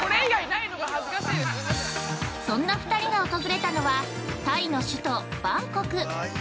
そんな２人が訪れたのはタイの首都バンコク。